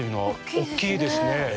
大きいですね。